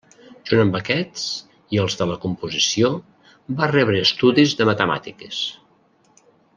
Junt amb aquests i els de la composició, va rebre estudis de matemàtiques.